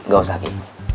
gak usah kaki